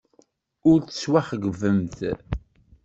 Ur tettwaxeyybemt.